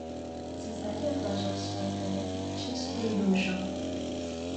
Создатель вложил в своё творенье всю свою душу.